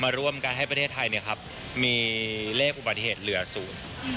มาร่วมกันให้ประเทศไทยมีเลขอุบัติเหตุเหลือศูนย์